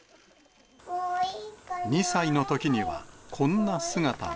２歳のときには、こんな姿も。